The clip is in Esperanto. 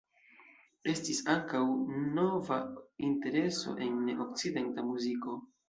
Estis ankaŭ nova intereso en ne-okcidenta muziko.